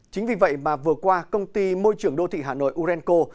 chính vì vậy mà vừa qua công ty môi trường đô thị hà nội urenco